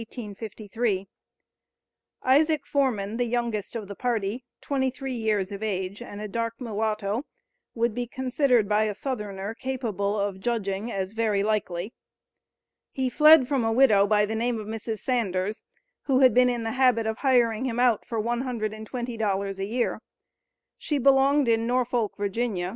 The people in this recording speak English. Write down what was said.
Isaac Forman, the youngest of the party twenty three years of age and a dark mulatto would be considered by a Southerner capable of judging as "very likely." He fled from a widow by the name of Mrs. Sanders, who had been in the habit of hiring him out for "one hundred and twenty dollars a year." She belonged in Norfolk, Va.